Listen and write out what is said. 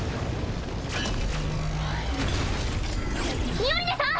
ミオリネさん！